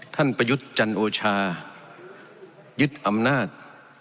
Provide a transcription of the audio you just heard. ท่านประยุทธ์จันทร์โอชายึดอำนาจ